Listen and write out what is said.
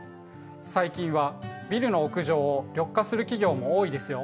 最近はビルの屋上を緑化する企業も多いですよ。